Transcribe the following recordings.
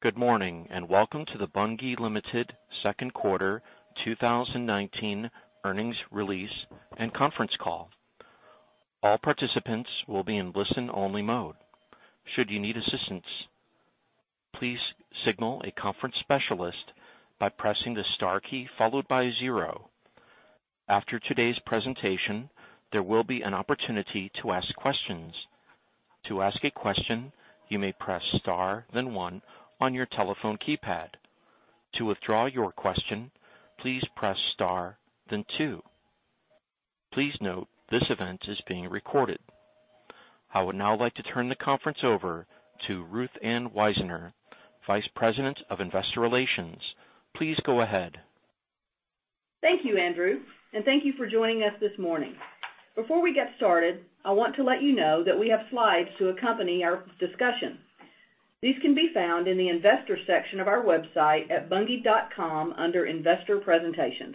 Good morning, and welcome to the Bunge Limited Second Quarter 2019 Earnings Release and Conference Call. All participants will be in listen-only mode. Should you need assistance, please signal a conference specialist by pressing the star key followed by zero. After today's presentation, there will be an opportunity to ask questions. To ask a question, you may press star, then one on your telephone keypad. To withdraw your question, please press star, then two. Please note this event is being recorded. I would now like to turn the conference over to Ruth Ann Wisener, Vice President of Investor Relations. Please go ahead. Thank you, Andrew, and thank you for joining us this morning. Before we get started, I want to let you know that we have slides to accompany our discussion. These can be found in the investor section of our website at bunge.com under Investor Presentations.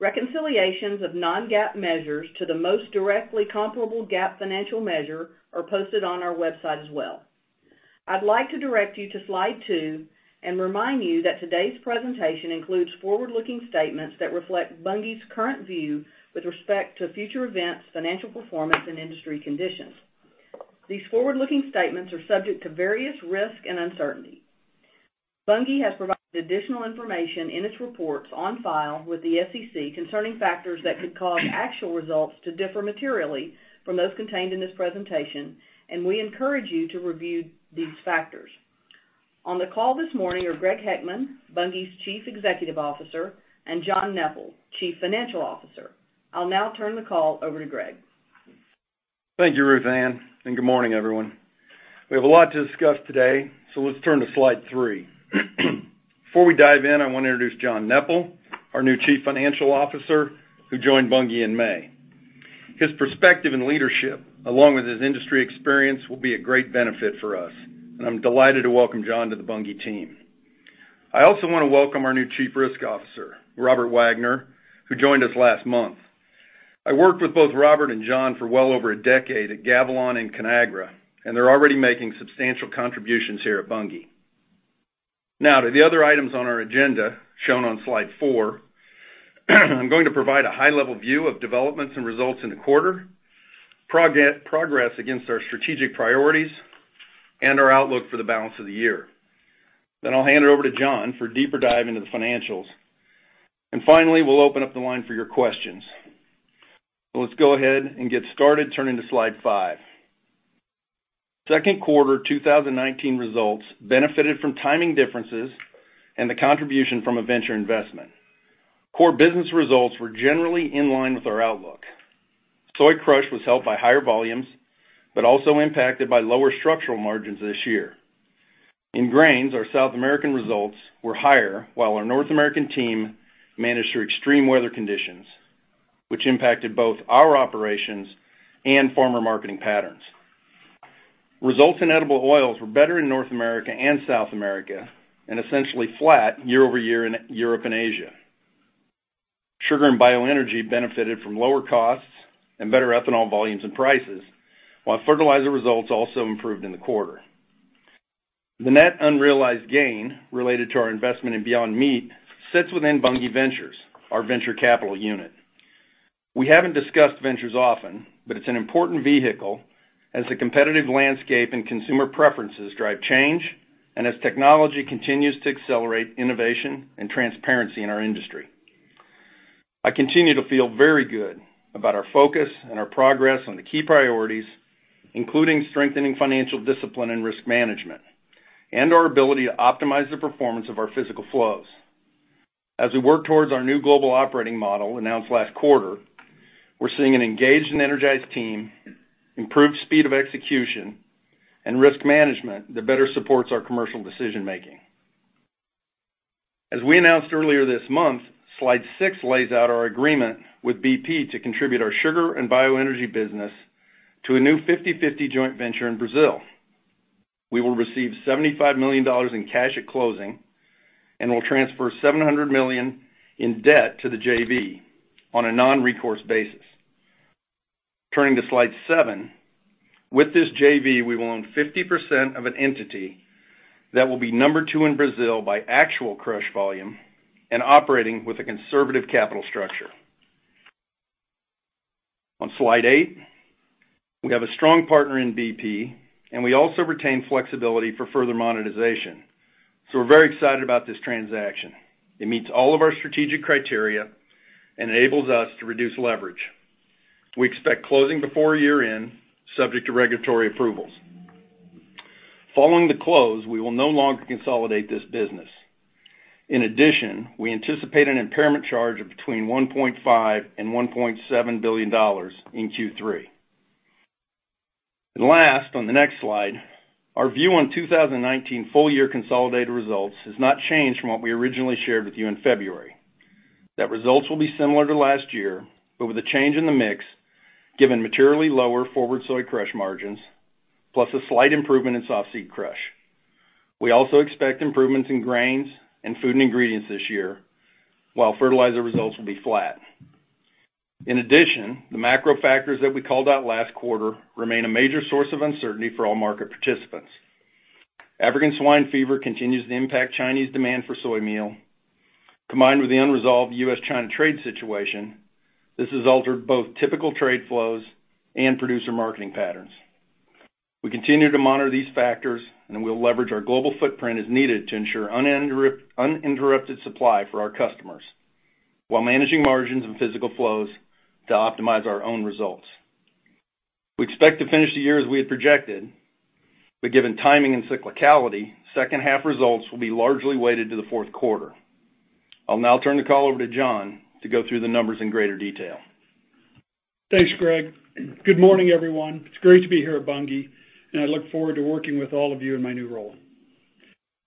Reconciliations of non-GAAP measures to the most directly comparable GAAP financial measure are posted on our website as well. I'd like to direct you to slide two and remind you that today's presentation includes forward-looking statements that reflect Bunge's current view with respect to future events, financial performance, and industry conditions. These forward-looking statements are subject to various risks and uncertainty. Bunge has provided additional information in its reports on file with the SEC concerning factors that could cause actual results to differ materially from those contained in this presentation. We encourage you to review these factors. On the call this morning are Greg Heckman, Bunge's Chief Executive Officer, and John Neppl, Chief Financial Officer. I'll now turn the call over to Greg. Thank you, Ruth Ann. Good morning, everyone. We have a lot to discuss today, so let's turn to slide three. Before we dive in, I want to introduce John Neppl, our new Chief Financial Officer, who joined Bunge in May. His perspective and leadership, along with his industry experience, will be a great benefit for us, and I'm delighted to welcome John to the Bunge team. I also want to welcome our new Chief Risk Officer, Robert Wagner, who joined us last month. I worked with both Robert and John for well over a decade at Gavilon and ConAgra, and they're already making substantial contributions here at Bunge. To the other items on our agenda shown on slide four. I'm going to provide a high-level view of developments and results in the quarter, progress against our strategic priorities, and our outlook for the balance of the year. I'll hand it over to John for a deeper dive into the financials. Finally, we'll open up the line for your questions. Let's go ahead and get started. Turning to slide five. Second quarter 2019 results benefited from timing differences and the contribution from a venture investment. Core business results were generally in line with our outlook. Soy crush was helped by higher volumes, but also impacted by lower structural margins this year. In grains, our South American results were higher, while our North American team managed through extreme weather conditions, which impacted both our operations and former marketing patterns. Results in edible oils were better in North America and South America, and essentially flat year-over-year in Europe and Asia. Sugar and bioenergy benefited from lower costs and better ethanol volumes and prices, while fertilizer results also improved in the quarter. The net unrealized gain related to our investment in Beyond Meat sits within Bunge Ventures, our venture capital unit. We haven't discussed ventures often, but it's an important vehicle as the competitive landscape and consumer preferences drive change and as technology continues to accelerate innovation and transparency in our industry. I continue to feel very good about our focus and our progress on the key priorities, including strengthening financial discipline and risk management and our ability to optimize the performance of our physical flows. As we work towards our new global operating model announced last quarter, we're seeing an engaged and energized team, improved speed of execution, and risk management that better supports our commercial decision making. As we announced earlier this month, slide six lays out our agreement with BP to contribute our sugar and bioenergy business to a new 50/50 joint venture in Brazil. We will receive $75 million in cash at closing and will transfer $700 million in debt to the JV on a non-recourse basis. Turning to slide seven. With this JV, we will own 50% of an entity that will be number two in Brazil by actual crush volume and operating with a conservative capital structure. On slide eight, we have a strong partner in BP. We also retain flexibility for further monetization. We're very excited about this transaction. It meets all of our strategic criteria and enables us to reduce leverage. We expect closing before year-end, subject to regulatory approvals. Following the close, we will no longer consolidate this business. In addition, we anticipate an impairment charge of between $1.5 billion and $1.7 billion in Q3. Last, on the next slide, our view on 2019 full-year consolidated results has not changed from what we originally shared with you in February, that results will be similar to last year, but with a change in the mix given materially lower forward soy crush margins, plus a slight improvement in soft seed crush. We also expect improvements in grains and food and ingredients this year, while fertilizer results will be flat. In addition, the macro factors that we called out last quarter remain a major source of uncertainty for all market participants. African swine fever continues to impact Chinese demand for soy meal, combined with the unresolved U.S.-China trade situation. This has altered both typical trade flows and producer marketing patterns. We continue to monitor these factors. We'll leverage our global footprint as needed to ensure uninterrupted supply for our customers while managing margins and physical flows to optimize our own results. We expect to finish the year as we had projected. Given timing and cyclicality, second half results will be largely weighted to the fourth quarter. I'll now turn the call over to John to go through the numbers in greater detail. Thanks, Greg. Good morning, everyone. It's great to be here at Bunge, and I look forward to working with all of you in my new role.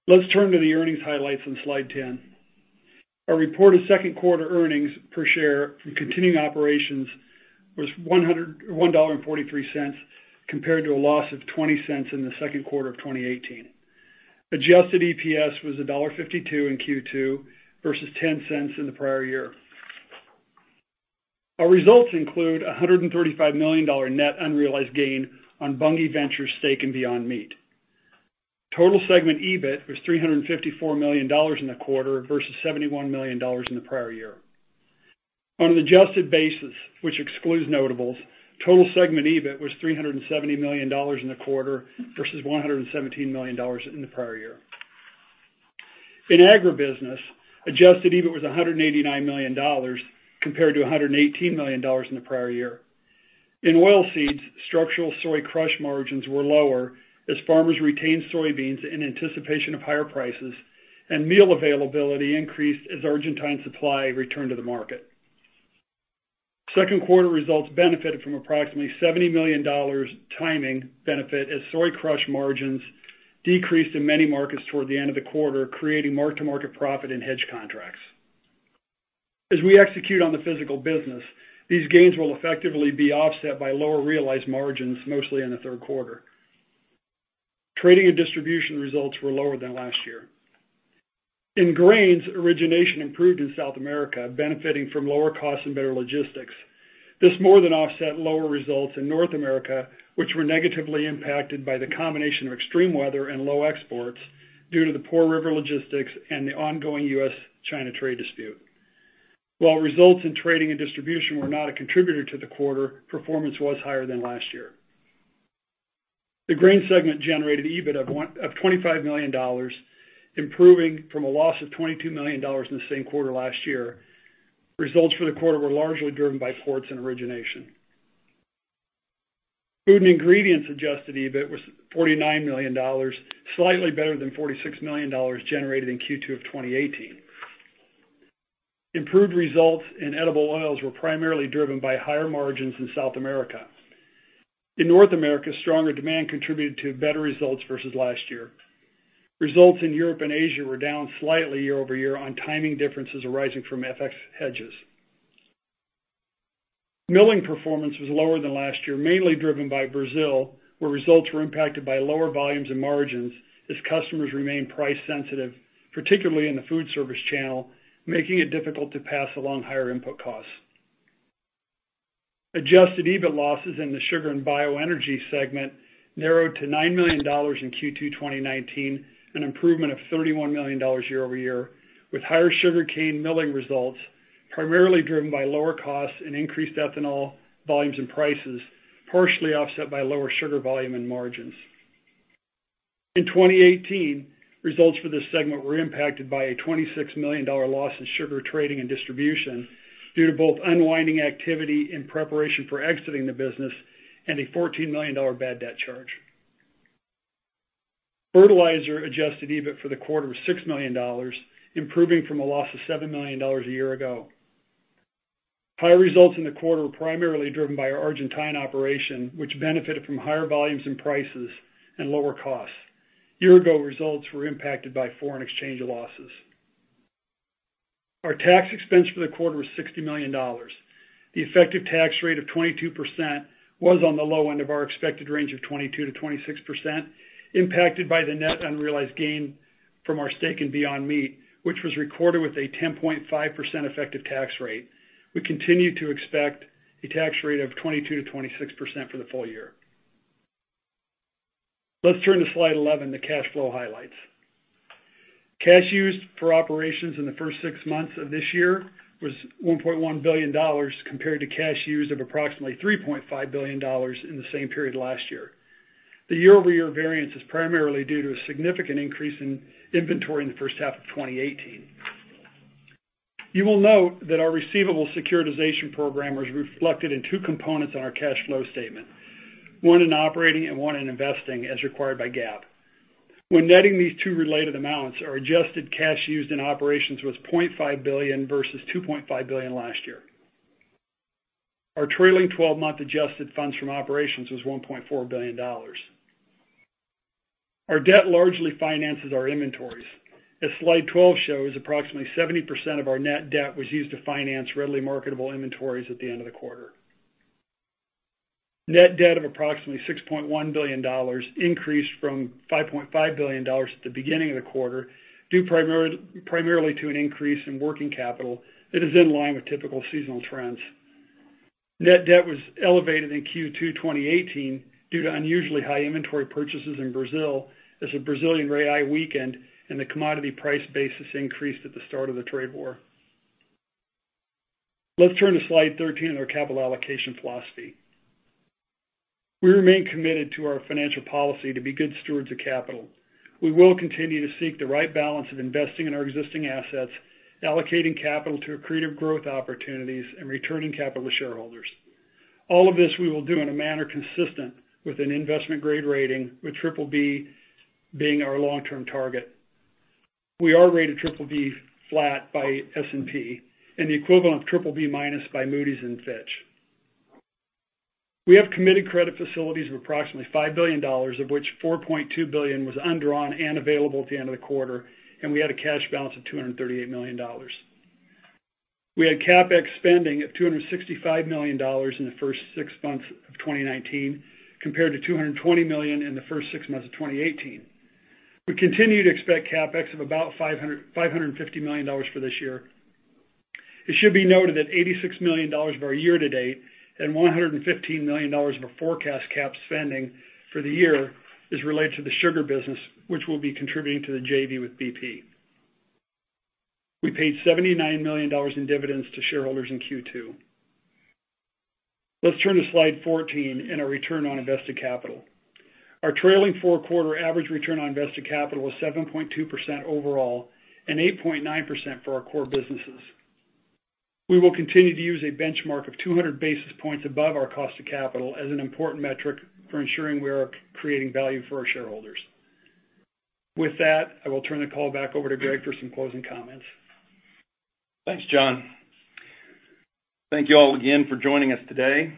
Let's turn to the earnings highlights on slide 10. Our reported second quarter earnings per share from continuing operations was $1.43, compared to a loss of $0.20 in the second quarter of 2018. Adjusted EPS was $1.52 in Q2 versus $0.10 in the prior year. Our results include $135 million net unrealized gain on Bunge Ventures' stake in Beyond Meat. Total segment EBIT was $354 million in the quarter versus $71 million in the prior year. On an adjusted basis, which excludes notables, total segment EBIT was $370 million in the quarter versus $117 million in the prior year. In agribusiness, adjusted EBIT was $189 million compared to $118 million in the prior year. In oilseeds, structural soy crush margins were lower as farmers retained soybeans in anticipation of higher prices, and meal availability increased as Argentine supply returned to the market. Second quarter results benefited from approximately $70 million timing benefit as soy crush margins decreased in many markets toward the end of the quarter, creating mark-to-market profit in hedge contracts. As we execute on the physical business, these gains will effectively be offset by lower realized margins, mostly in the third quarter. Trading and distribution results were lower than last year. In grains, origination improved in South America, benefiting from lower costs and better logistics. This more than offset lower results in North America, which were negatively impacted by the combination of extreme weather and low exports due to the poor river logistics and the ongoing U.S.-China trade dispute. While results in trading and distribution were not a contributor to the quarter, performance was higher than last year. The grain segment generated EBIT of $25 million, improving from a loss of $22 million in the same quarter last year. Results for the quarter were largely driven by ports and origination. Food and ingredients adjusted EBIT was $49 million, slightly better than $46 million generated in Q2 of 2018. Improved results in edible oils were primarily driven by higher margins in South America. In North America, stronger demand contributed to better results versus last year. Results in Europe and Asia were down slightly year-over-year on timing differences arising from FX hedges. Milling performance was lower than last year, mainly driven by Brazil, where results were impacted by lower volumes and margins as customers remained price-sensitive, particularly in the food service channel, making it difficult to pass along higher input costs. Adjusted EBIT losses in the sugar and bioenergy segment narrowed to $9 million in Q2 2019, an improvement of $31 million year-over-year, with higher sugarcane milling results primarily driven by lower costs and increased ethanol volumes and prices, partially offset by lower sugar volume and margins. In 2018, results for this segment were impacted by a $26 million loss in sugar trading and distribution due to both unwinding activity in preparation for exiting the business and a $14 million bad debt charge. Fertilizer adjusted EBIT for the quarter was $6 million, improving from a loss of $7 million a year ago. Higher results in the quarter were primarily driven by our Argentine operation, which benefited from higher volumes and prices and lower costs. A year ago results were impacted by foreign exchange losses. Our tax expense for the quarter was $60 million. The effective tax rate of 22% was on the low end of our expected range of 22%-26%, impacted by the net unrealized gain from our stake in Beyond Meat, which was recorded with a 10.5% effective tax rate. We continue to expect a tax rate of 22%-26% for the full year. Let's turn to slide 11, the cash flow highlights. Cash used for operations in the first six months of this year was $1.1 billion compared to cash used of approximately $3.5 billion in the same period last year. The year-over-year variance is primarily due to a significant increase in inventory in the first half of 2018. You will note that our receivable securitization program was reflected in two components on our cash flow statement, one in operating and one in investing, as required by GAAP. When netting these two related amounts, our adjusted cash used in operations was $0.5 billion versus $2.5 billion last year. Our trailing 12-month adjusted funds from operations was $1.4 billion. Our debt largely finances our inventories. As slide 12 shows, approximately 70% of our net debt was used to finance readily marketable inventories at the end of the quarter. Net debt of approximately $6.1 billion increased from $5.5 billion at the beginning of the quarter, due primarily to an increase in working capital that is in line with typical seasonal trends. Net debt was elevated in Q2 2018 due to unusually high inventory purchases in Brazil as the Brazilian real weakened and the commodity price basis increased at the start of the trade war. Let's turn to slide 13 on our capital allocation philosophy. We remain committed to our financial policy to be good stewards of capital. We will continue to seek the right balance of investing in our existing assets, allocating capital to accretive growth opportunities, and returning capital to shareholders. All of this we will do in a manner consistent with an investment-grade rating, with BBB being our long-term target. We are rated BBB flat by S&P and the equivalent of BBB- by Moody's and Fitch. We have committed credit facilities of approximately $5 billion, of which $4.2 billion was undrawn and available at the end of the quarter, and we had a cash balance of $238 million. We had CapEx spending of $265 million in the first six months of 2019, compared to $220 million in the first six months of 2018. We continue to expect CapEx of about $550 million for this year. It should be noted that $86 million of our year-to-date and $115 million of our forecast CapEx spending for the year is related to the sugar business, which will be contributing to the JV with BP. We paid $79 million in dividends to shareholders in Q2. Let's turn to slide 14 and our return on invested capital. Our trailing four-quarter average return on invested capital was 7.2% overall and 8.9% for our core businesses. We will continue to use a benchmark of 200 basis points above our cost of capital as an important metric for ensuring we are creating value for our shareholders. With that, I will turn the call back over to Greg for some closing comments. Thanks, John. Thank you all again for joining us today.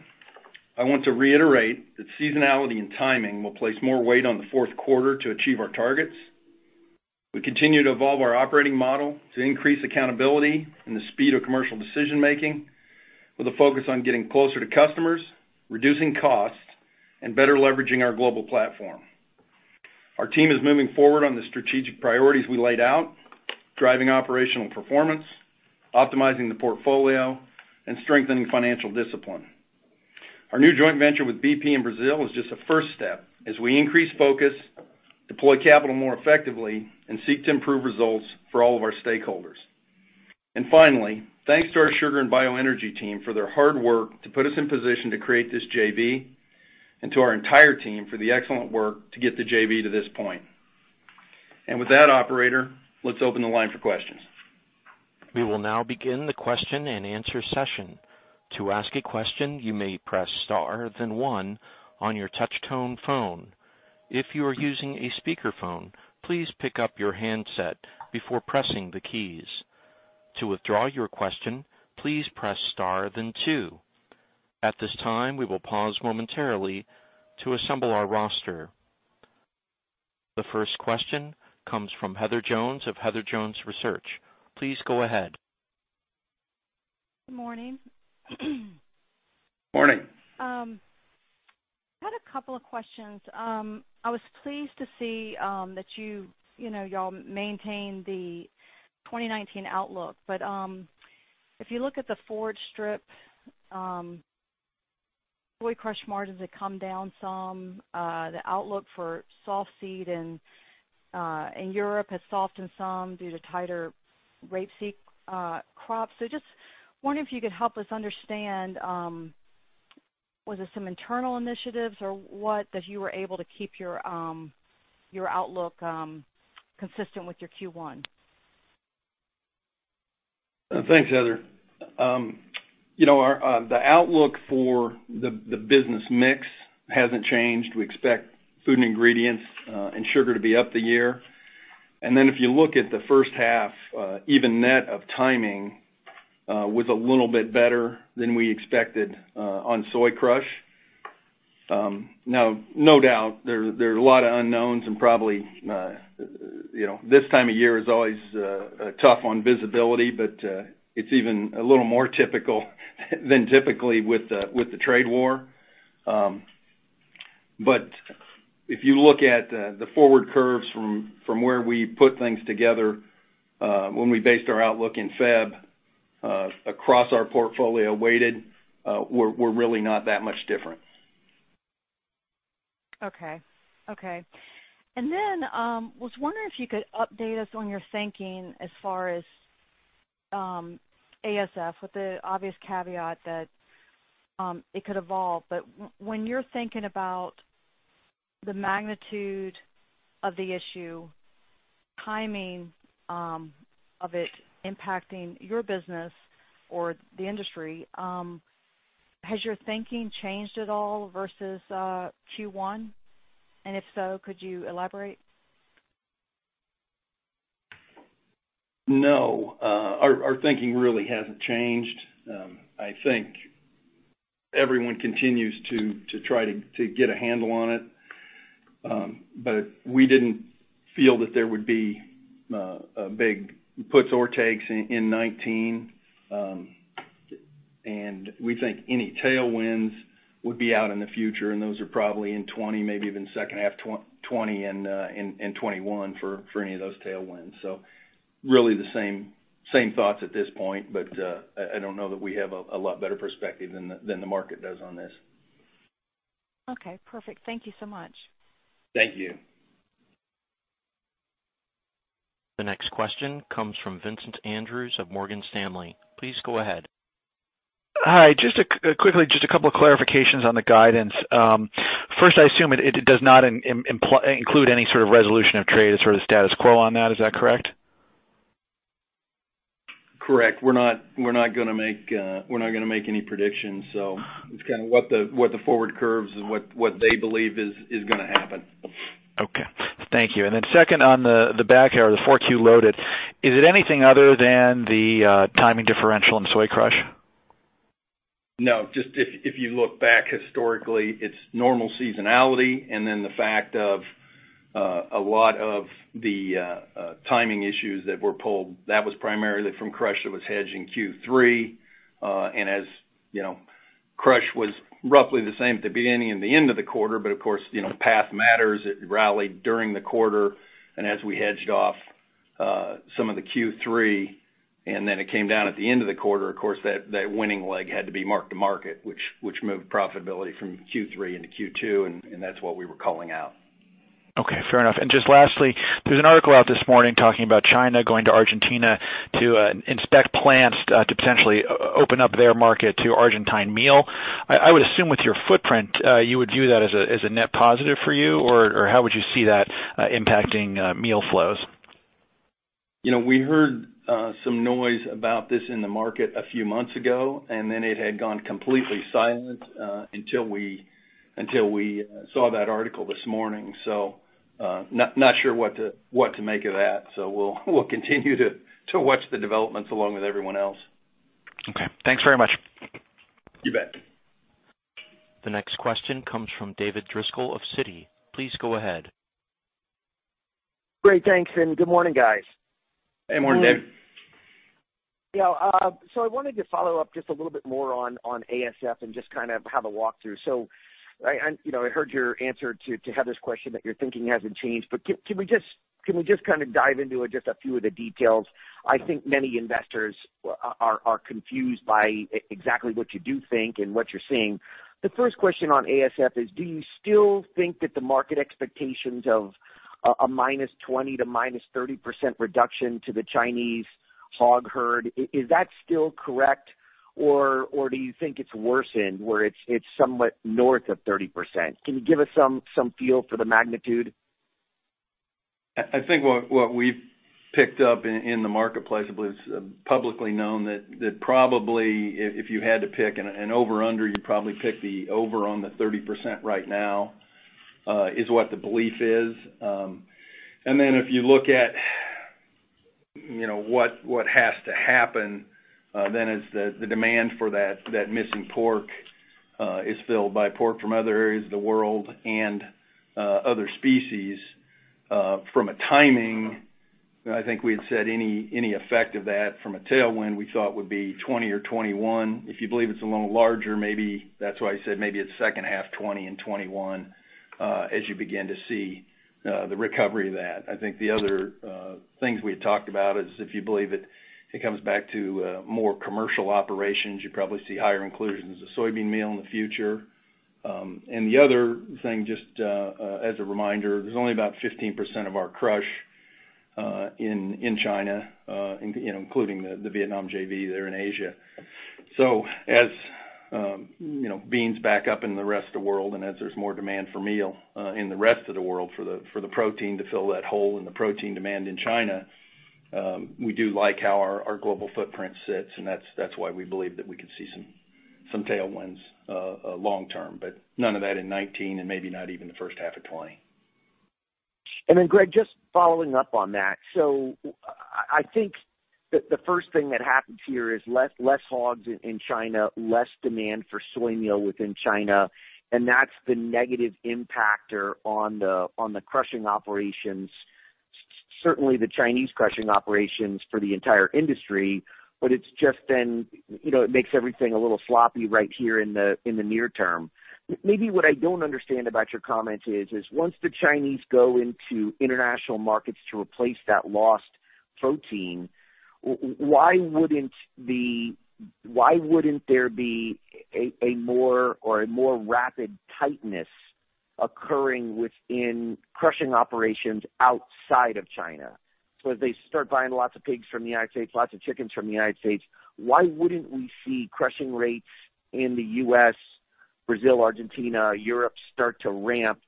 I want to reiterate that seasonality and timing will place more weight on the fourth quarter to achieve our targets. We continue to evolve our operating model to increase accountability and the speed of commercial decision-making with a focus on getting closer to customers, reducing costs, and better leveraging our global platform. Our team is moving forward on the strategic priorities we laid out, driving operational performance, optimizing the portfolio, and strengthening financial discipline. Our new joint venture with BP in Brazil is just a first step as we increase focus, deploy capital more effectively, and seek to improve results for all of our stakeholders. Finally, thanks to our sugar and bioenergy team for their hard work to put us in position to create this JV and to our entire team for the excellent work to get the JV to this point. With that, operator, let's open the line for questions. We will now begin the question-and-answer session. To ask a question, you may press star, then one on your touch tone phone. If you are using a speakerphone, please pick up your handset before pressing the keys. To withdraw your question, please press star, then two. At this time, we will pause momentarily to assemble our roster. The first question comes from Heather Jones of Heather Jones Research. Please go ahead. Good morning. Morning. I had a couple of questions. I was pleased to see that you all maintained the 2019 outlook. If you look at the forward strip, soy crush margins have come down some. The outlook for soft seed in Europe has softened some due to tighter rapeseed crops. Just wondering if you could help us understand, was it some internal initiatives or what that you were able to keep your outlook consistent with your Q1? Thanks, Heather. The outlook for the business mix hasn't changed. We expect food and ingredients and sugar to be up the year. If you look at the first half, even net of timing was a little bit better than we expected on soy crush. Now, no doubt, there are a lot of unknowns and probably this time of year is always tough on visibility, but it's even a little more typical than typically with the trade war. If you look at the forward curves from where we put things together when we based our outlook in February across our portfolio weighted, we're really not that much different. Okay. I was wondering if you could update us on your thinking as far as ASF, with the obvious caveat that it could evolve. When you're thinking about the magnitude of the issue, timing of it impacting your business or the industry, has your thinking changed at all versus Q1? If so, could you elaborate? No. Our thinking really hasn't changed. I think everyone continues to try to get a handle on it. We didn't feel that there would be a big puts or takes in 2019. We think any tailwinds would be out in the future, and those are probably in 2020, maybe even second half 2020 and 2021 for any of those tailwinds. Really the same thoughts at this point, but I don't know that we have a lot better perspective than the market does on this. Okay, perfect. Thank you so much. Thank you. The next question comes from Vincent Andrews of Morgan Stanley. Please go ahead. Hi, quickly, just a couple of clarifications on the guidance. First, I assume it does not include any sort of resolution of trade. It's sort of status quo on that. Is that correct? Correct. We're not going to make any predictions. It's kind of what the forward curves and what they believe is going to happen. Okay. Thank you. Second on the back here, the 4Q loaded. Is it anything other than the timing differential in soy crush? No. If you look back historically, it's normal seasonality, the fact of a lot of the timing issues that were pulled, that was primarily from crush that was hedged in Q3. As crush was roughly the same at the beginning and the end of the quarter, but of course, path matters. It rallied during the quarter, as we hedged off some of the Q3, then it came down at the end of the quarter, of course, that winning leg had to be mark-to-market, which moved profitability from Q3 into Q2, that's what we were calling out. Okay. Fair enough. Just lastly, there's an article out this morning talking about China going to Argentina to inspect plants to potentially open up their market to Argentine meal. I would assume with your footprint, you would view that as a net positive for you, or how would you see that impacting meal flows? We heard some noise about this in the market a few months ago, and then it had gone completely silent until we saw that article this morning. Not sure what to make of that. We'll continue to watch the developments along with everyone else. Okay. Thanks very much. You bet. The next question comes from David Driscoll of Citi. Please go ahead. Great. Thanks, and good morning, guys. Hey, morning, David. Yeah. I wanted to follow up just a little bit more on ASF and just kind of have a walkthrough. I heard your answer to Heather's question that your thinking hasn't changed. Can we just kind of dive into just a few of the details? I think many investors are confused by exactly what you do think and what you're seeing. The first question on ASF is, do you still think that the market expectations of a -20% to -30% reduction to the Chinese hog herd, is that still correct, or do you think it's worsened where it's somewhat north of 30%? Can you give us some feel for the magnitude? I think what we've picked up in the marketplace, I believe it's publicly known that probably if you had to pick an over-under, you'd probably pick the over on the 30% right now, is what the belief is. If you look at what has to happen, then it's the demand for that missing pork is filled by pork from other areas of the world and other species. From a timing, I think we had said any effect of that from a tailwind, we thought would be 2020 or 2021. If you believe it's a little larger, maybe that's why I said maybe it's second half 2020 and 2021 as you begin to see the recovery of that. I think the other things we had talked about is if you believe it comes back to more commercial operations, you probably see higher inclusions of soybean meal in the future. The other thing, just as a reminder, there's only about 15% of our crush in China including the Vietnam JV there in Asia. As beans back up in the rest of the world, and as there's more demand for meal in the rest of the world for the protein to fill that hole in the protein demand in China, we do like how our global footprint sits, and that's why we believe that we could see some tailwinds long-term, but none of that in 2019 and maybe not even the first half of 2020. Greg, just following up on that. I think that the first thing that happens here is less hogs in China, less demand for soy meal within China, and that's the negative impactor on the crushing operations, certainly the Chinese crushing operations for the entire industry. It's just then it makes everything a little sloppy right here in the near term. Maybe what I don't understand about your comments is, once the Chinese go into international markets to replace that lost protein, why wouldn't there be a more rapid tightness occurring within crushing operations outside of China? As they start buying lots of pigs from the United States, lots of chickens from the United States, why wouldn't we see crushing rates in the U.S., Brazil, Argentina, Europe start to ramp?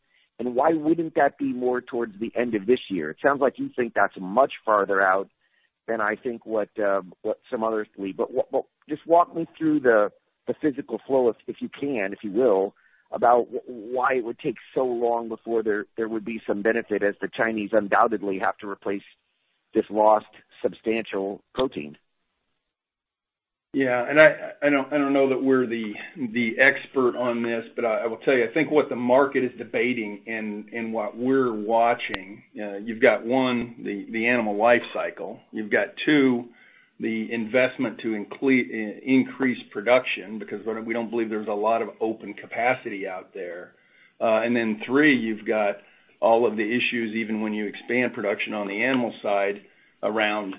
Why wouldn't that be more towards the end of this year? It sounds like you think that's much farther out than I think what some others believe. Just walk me through the physical flow, if you can, if you will, about why it would take so long before there would be some benefit as the Chinese undoubtedly have to replace this lost substantial protein. Yeah. I don't know that we're the expert on this, but I will tell you, I think what the market is debating and what we're watching, you've got one, the animal life cycle. You've got two, the investment to increase production, because we don't believe there's a lot of open capacity out there. Three, you've got all of the issues, even when you expand production on the animal side, around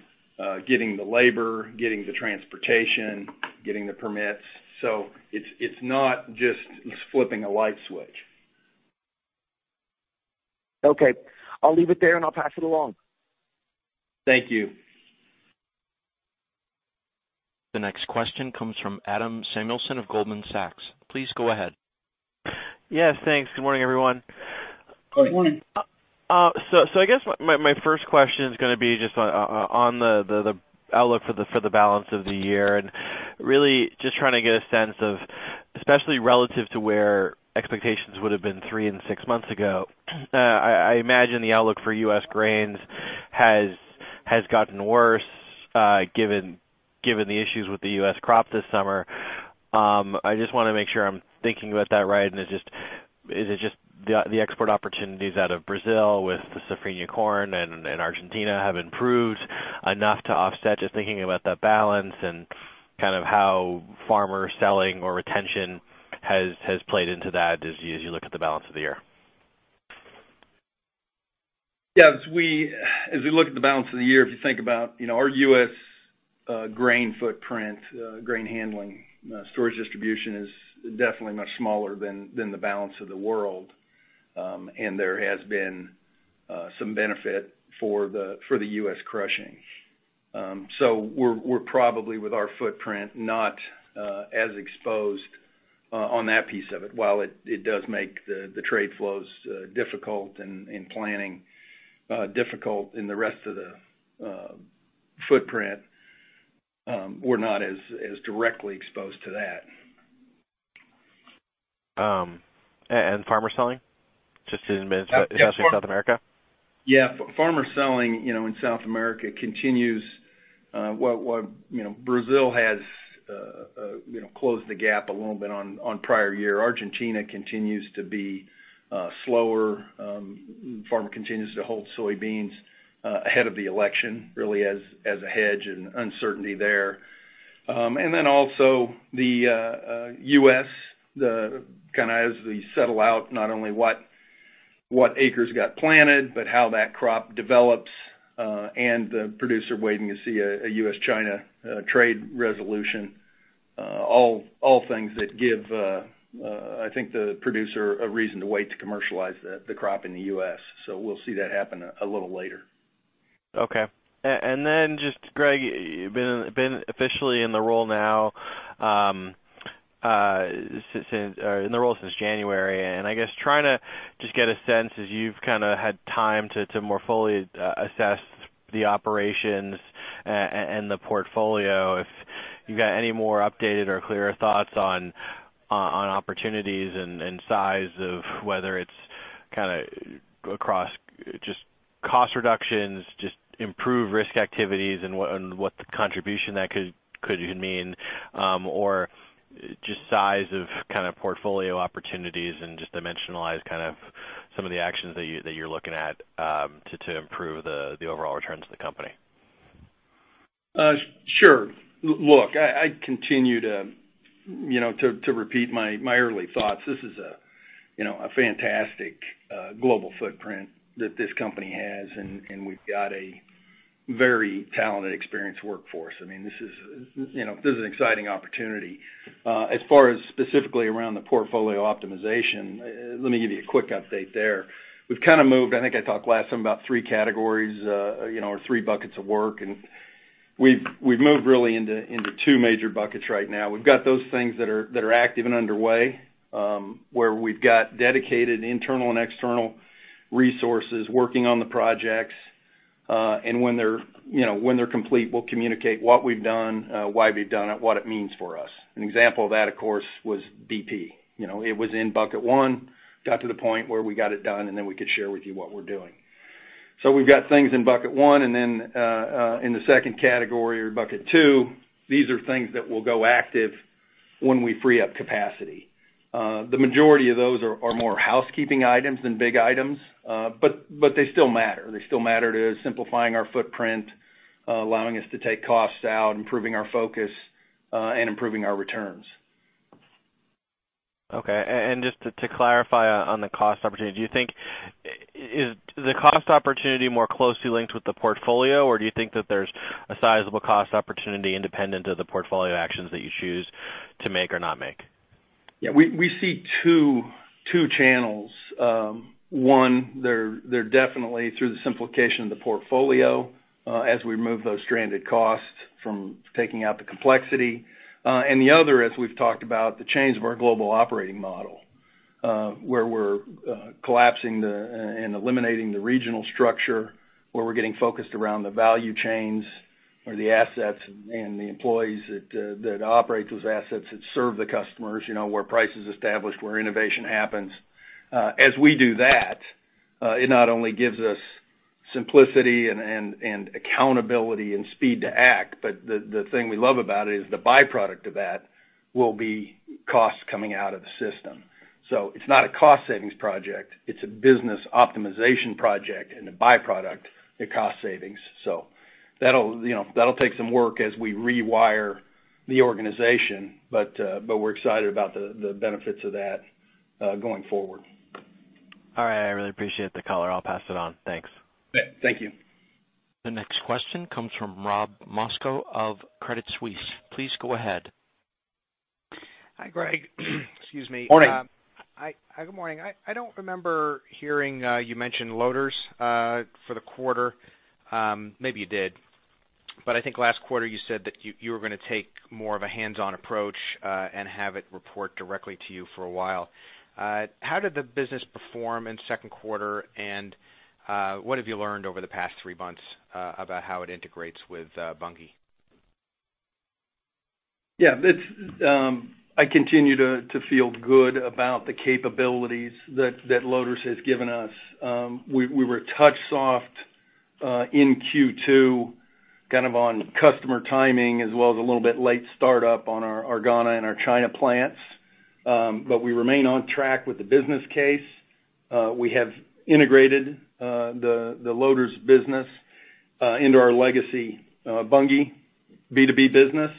getting the labor, getting the transportation, getting the permits. It's not just flipping a light switch. Okay. I'll leave it there, and I'll pass it along. Thank you. The next question comes from Adam Samuelson of Goldman Sachs. Please go ahead. Yes, thanks. Good morning, everyone. Good morning. I guess my first question is going to be just on the outlook for the balance of the year, and really just trying to get a sense of, especially relative to where expectations would've been three and six months ago. I imagine the outlook for U.S. grains has gotten worse, given the issues with the U.S. crop this summer. I just want to make sure I'm thinking about that right, and is it just the export opportunities out of Brazil with the Safrinha corn and Argentina have improved enough to offset just thinking about that balance and kind of how farmer selling or retention has played into that as you look at the balance of the year? Yeah. As we look at the balance of the year, if you think about our U.S. grain footprint, grain handling, storage distribution is definitely much smaller than the balance of the world. There has been some benefit for the U.S. crushing. We're probably, with our footprint, not as exposed on that piece of it. While it does make the trade flows difficult and planning difficult in the rest of the footprint, we're not as directly exposed to that. Farmer selling, just in especially South America? Yeah. Farmer selling in South America continues. Brazil has closed the gap a little bit on prior year. Argentina continues to be slower. Farmer continues to hold soybeans ahead of the election, really as a hedge and uncertainty there. Also the U.S., kind of as we settle out not only what acres got planted, but how that crop develops, and the producer waiting to see a U.S.-China trade resolution. All things that give, I think, the producer a reason to wait to commercialize the crop in the U.S. We'll see that happen a little later. Okay. Just, Greg, you've been officially in the role now since January, I guess trying to just get a sense as you've kind of had time to more fully assess the operations and the portfolio, if you've got any more updated or clearer thoughts on opportunities and size of whether it's kind of across just cost reductions, just improved risk activities, and what the contribution that could even mean. Just size of kind of portfolio opportunities and just dimensionalize kind of some of the actions that you're looking at to improve the overall returns of the company. Sure. Look, I continue to repeat my early thoughts. This is a fantastic global footprint that this company has, and we've got a very talented, experienced workforce. This is an exciting opportunity. As far as specifically around the portfolio optimization, let me give you a quick update there. We've kind of moved, I think I talked last time about three categories, or three buckets of work, and we've moved really into two major buckets right now. We've got those things that are active and underway, where we've got dedicated internal and external resources working on the projects. When they're complete, we'll communicate what we've done, why we've done it, what it means for us. An example of that, of course, was BP. It was in bucket one, got to the point where we got it done, then we could share with you what we're doing. We've got things in bucket one, and then in the second category or bucket two, these are things that will go active when we free up capacity. The majority of those are more housekeeping items than big items. They still matter. They still matter to simplifying our footprint, allowing us to take costs out, improving our focus, and improving our returns. Okay. Just to clarify on the cost opportunity, do you think is the cost opportunity more closely linked with the portfolio, or do you think that there's a sizable cost opportunity independent of the portfolio actions that you choose to make or not make? Yeah. We see two channels. One, they're definitely through the simplification of the portfolio as we remove those stranded costs from taking out the complexity. The other, as we've talked about, the change of our global operating model, where we're collapsing and eliminating the regional structure, where we're getting focused around the value chains or the assets and the employees that operate those assets that serve the customers, where price is established, where innovation happens. As we do that, it not only gives us simplicity and accountability and speed to act, but the thing we love about it is the byproduct of that will be cost coming out of the system. It's not a cost savings project, it's a business optimization project, and the byproduct is cost savings. That'll take some work as we rewire the organization, but we're excited about the benefits of that going forward. All right. I really appreciate the color. I'll pass it on. Thanks. Thank you. The next question comes from Rob Moskow of Credit Suisse. Please go ahead. Hi, Greg. Excuse me. Morning. Hi. Good morning. I don't remember hearing you mention Loders for the quarter. Maybe you did, but I think last quarter you said that you were going to take more of a hands-on approach, and have it report directly to you for a while. How did the business perform in the second quarter, and what have you learned over the past three months about how it integrates with Bunge? I continue to feel good about the capabilities that Loders has given us. We were touch soft in Q2 on customer timing as well as a little bit late start up on our Ghana and our China plants. We remain on track with the business case. We have integrated the Loders business into our legacy Bunge B2B business.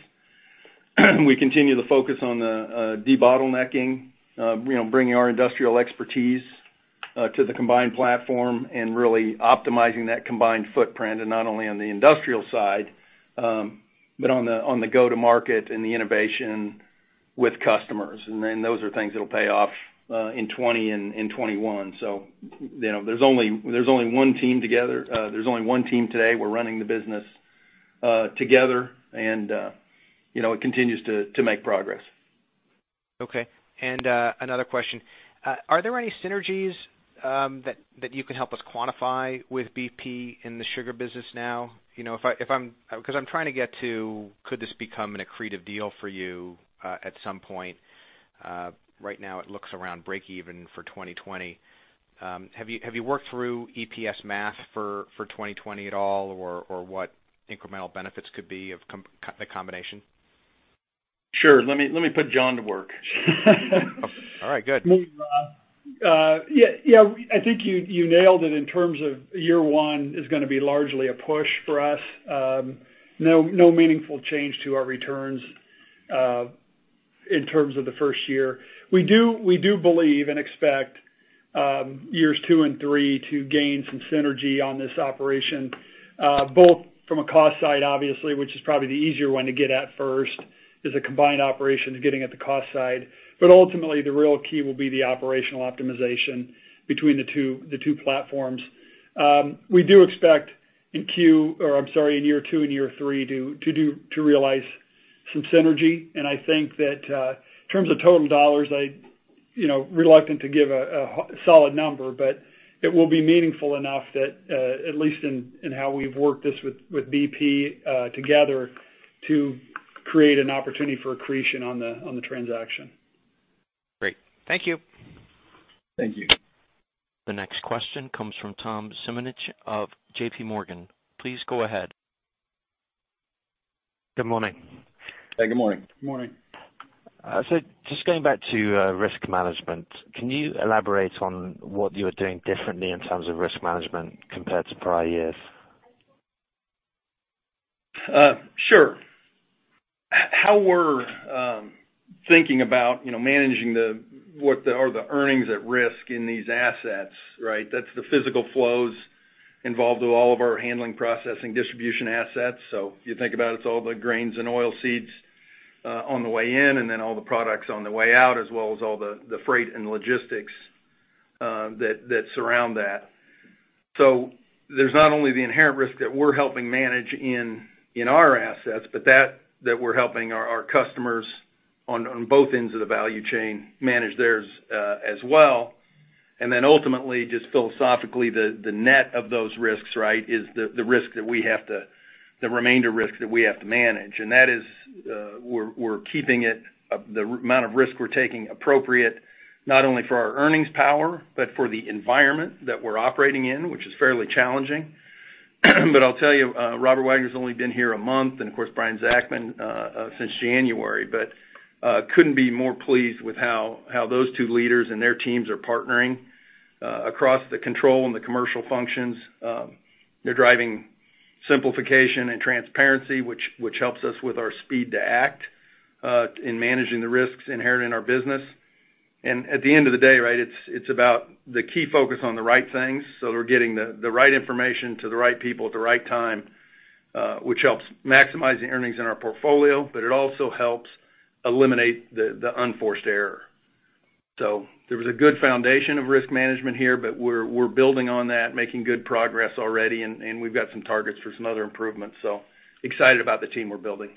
We continue to focus on the debottlenecking, bringing our industrial expertise to the combined platform and really optimizing that combined footprint, and not only on the industrial side, but on the go-to-market and the innovation with customers. Those are things that'll pay off in 2020 and 2021. There's only one team today. We're running the business together, and it continues to make progress. Okay. Another question. Are there any synergies that you can help us quantify with BP in the sugar business now? I'm trying to get to, could this become an accretive deal for you at some point? Right now it looks around breakeven for 2020. Have you worked through EPS math for 2020 at all, or what incremental benefits could be of the combination? Sure. Let me put John to work. All right, good. I think you nailed it in terms of year one is going to be largely a push for us. No meaningful change to our returns in terms of the first year. We do believe and expect years two and three to gain some synergy on this operation, both from a cost side, obviously, which is probably the easier one to get at first, is a combined operation to getting at the cost side. Ultimately, the real key will be the operational optimization between the two platforms. We do expect in year two and year three to realize some synergy, and I think that in terms of total dollars, reluctant to give a solid number, but it will be meaningful enough that, at least in how we've worked this with BP together to create an opportunity for accretion on the transaction. Great. Thank you. Thank you. The next question comes from Tom Simonitsch of JPMorgan. Please go ahead. Good morning. Hey, good morning. Good morning. Just going back to risk management, can you elaborate on what you're doing differently in terms of risk management compared to prior years? Sure. How we're thinking about managing what are the earnings at risk in these assets, right? That's the physical flows involved with all of our handling, processing, distribution assets. You think about it's all the grains and oil seeds on the way in, and then all the products on the way out, as well as all the freight and logistics that surround that. There's not only the inherent risk that we're helping manage in our assets, but that we're helping our customers on both ends of the value chain manage theirs as well. Ultimately, just philosophically, the net of those risks is the remainder risk that we have to manage. That is, we're keeping the amount of risk we're taking appropriate not only for our earnings power, but for the environment that we're operating in, which is fairly challenging. I'll tell you, Robert Wagner's only been here a month, and of course Brian Zachman since January. Couldn't be more pleased with how those two leaders and their teams are partnering across the control and the commercial functions. They're driving simplification and transparency, which helps us with our speed to act in managing the risks inherent in our business. At the end of the day, it's about the key focus on the right things. We're getting the right information to the right people at the right time, which helps maximize the earnings in our portfolio, but it also helps eliminate the unforced error. There was a good foundation of risk management here, but we're building on that, making good progress already, and we've got some targets for some other improvements. Excited about the team we're building.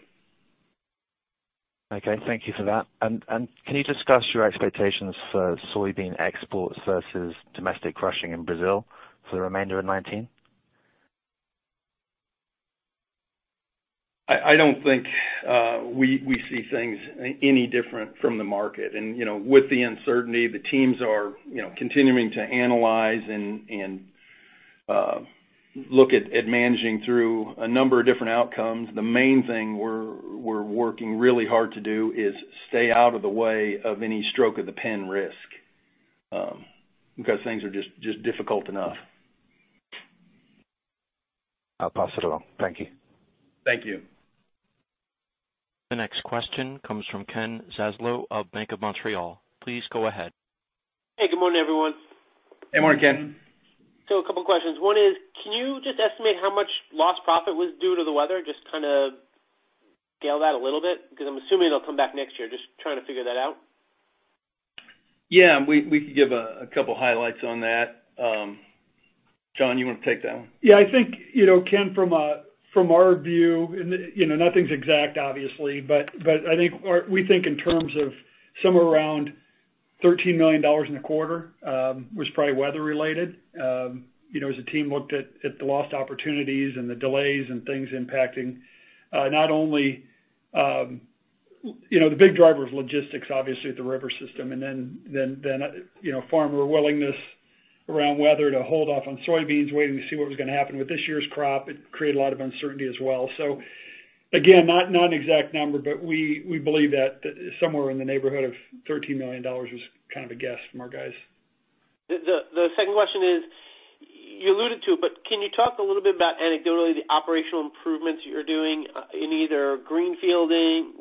Okay, thank you for that. Can you discuss your expectations for soybean exports versus domestic crushing in Brazil for the remainder of 2019? I don't think we see things any different from the market. With the uncertainty, the teams are continuing to analyze and look at managing through a number of different outcomes. The main thing we're working really hard to do is stay out of the way of any stroke-of-the-pen risk, because things are just difficult enough. I'll pass it along. Thank you. Thank you. The next question comes from Ken Zaslow of Bank of Montreal. Please go ahead. Hey, good morning, everyone. Good morning, Ken. A couple questions. One is, can you just estimate how much lost profit was due to the weather? Just scale that a little bit, because I'm assuming it'll come back next year. Just trying to figure that out. Yeah, we could give a couple highlights on that. John, you want to take that one? I think, Ken, from our view, nothing's exact, obviously, but we think in terms of somewhere around $13 million in the quarter was probably weather related. As the team looked at the lost opportunities and the delays and things impacting, not only the big driver of logistics, obviously, at the river system, and then farmer willingness around weather to hold off on soybeans, waiting to see what was going to happen with this year's crop. It created a lot of uncertainty as well. Again, not an exact number, but we believe that somewhere in the neighborhood of $13 million was kind of a guess from our guys. The second question is, you alluded to it, but can you talk a little bit about anecdotally the operational improvements you're doing in either greenfields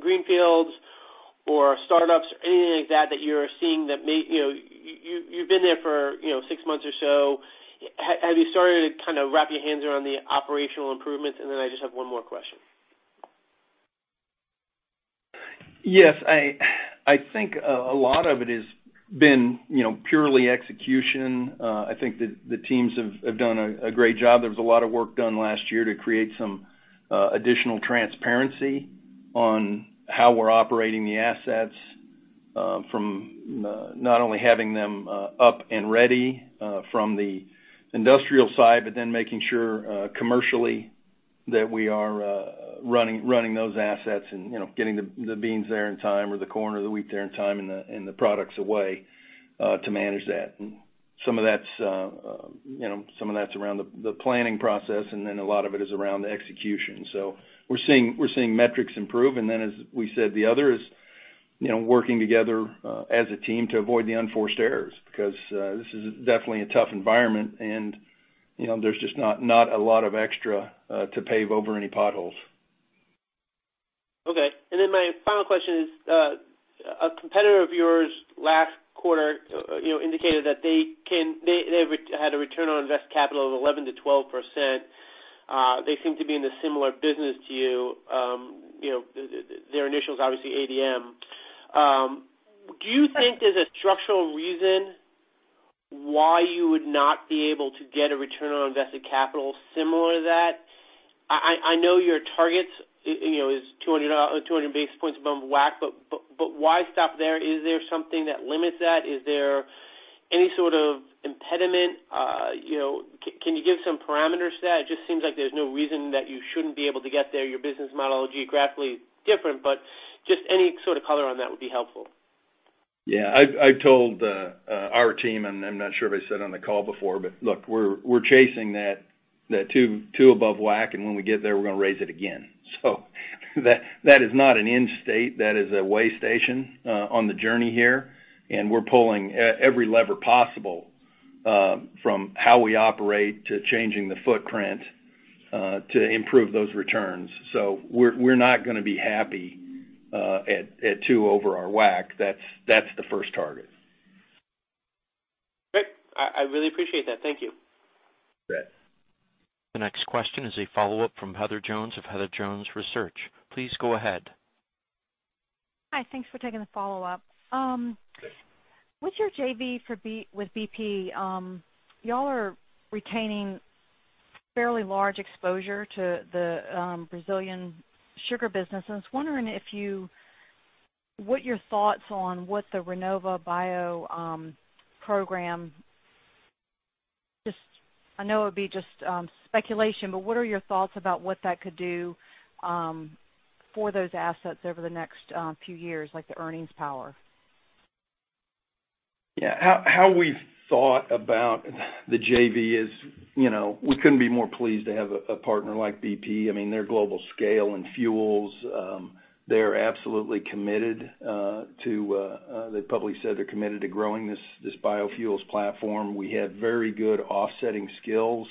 or startups or anything like that that you're seeing? You've been there for six months or so. Have you started to wrap your hands around the operational improvements? I just have one more question. Yes. I think a lot of it has been purely execution. I think that the teams have done a great job. There was a lot of work done last year to create some additional transparency on how we're operating the assets from not only having them up and ready from the industrial side, but then making sure commercially that we are running those assets and getting the beans there in time, or the corn or the wheat there in time and the products away to manage that. Some of that's around the planning process, and then a lot of it is around the execution. We're seeing metrics improve. As we said, the other is working together as a team to avoid the unforced errors, because this is definitely a tough environment and there's just not a lot of extra to pave over any potholes. Okay. My final question is, a competitor of yours last quarter indicated that they had a return on invested capital of 11%-12%. They seem to be in a similar business to you. Their initials, obviously, ADM. Do you think there's a structural reason why you would not be able to get a return on invested capital similar to that? I know your target is 200 basis points above WACC, but why stop there? Is there something that limits that? Is there any sort of impediment? Can you give some parameters to that? It just seems like there's no reason that you shouldn't be able to get there. Your business model geographically is different, but just any sort of color on that would be helpful. Yeah. I've told our team, and I'm not sure if I said it on the call before, but look, we're chasing that two above WACC, and when we get there, we're going to raise it again. That is not an end state. That is a way station on the journey here, and we're pulling every lever possible from how we operate to changing the footprint to improve those returns. We're not going to be happy at two over our WACC. That's the first target. Great. I really appreciate that. Thank you. You bet. The next question is a follow-up from Heather Jones of Heather Jones Research. Please go ahead. Hi. Thanks for taking the follow-up. Sure. With your JV with BP, y'all are retaining fairly large exposure to the Brazilian sugar business. I was wondering what your thoughts on what the RenovaBio program, I know it would be just speculation, but what are your thoughts about what that could do for those assets over the next few years, like the earnings power? Yeah. How we've thought about the JV is we couldn't be more pleased to have a partner like BP. Their global scale in fuels, they're absolutely committed to growing this biofuels platform. We have very good offsetting skills,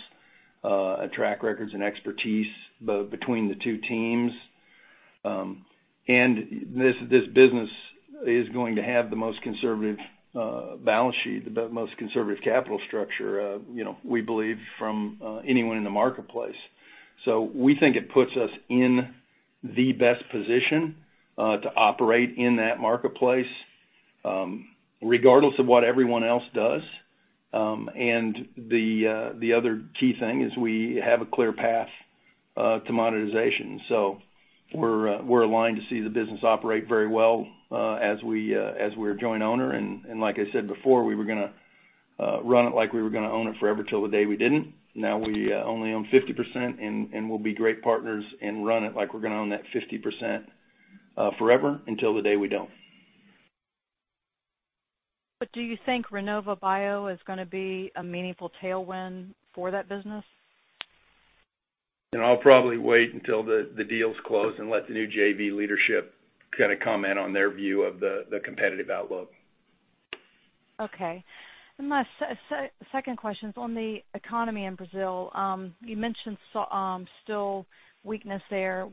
track records, and expertise between the two teams. This business is going to have the most conservative balance sheet, the most conservative capital structure, we believe, from anyone in the marketplace. We think it puts us in the best position to operate in that marketplace, regardless of what everyone else does. The other key thing is we have a clear path to monetization. We're aligned to see the business operate very well as we're a joint owner. Like I said before, we were going to run it like we were going to own it forever till the day we didn't. We only own 50%, and we'll be great partners and run it like we're going to own that 50% forever until the day we don't. Do you think RenovaBio is going to be a meaningful tailwind for that business? I'll probably wait until the deal's closed and let the new JV leadership comment on their view of the competitive outlook. Okay. My second question is on the economy in Brazil. You mentioned still weakness there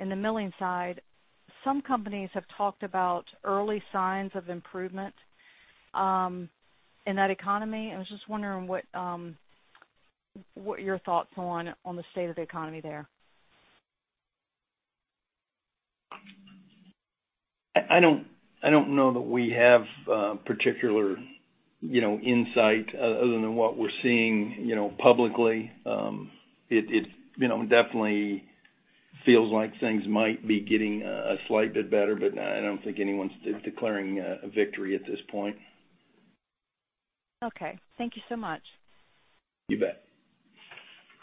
in the milling side. Some companies have talked about early signs of improvement in that economy. I was just wondering what your thoughts on the state of the economy there. I don't know that we have particular insight other than what we're seeing publicly. It definitely feels like things might be getting a slight bit better, but I don't think anyone's declaring a victory at this point. Okay. Thank you so much. You bet.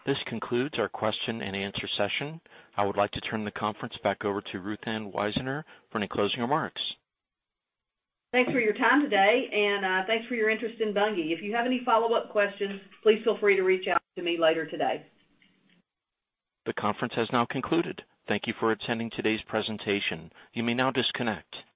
This concludes our question and answer session. I would like to turn the conference back over to Ruth Ann Wisener for any closing remarks. Thanks for your time today, and thanks for your interest in Bunge. If you have any follow-up questions, please feel free to reach out to me later today. The conference has now concluded. Thank you for attending today's presentation. You may now disconnect.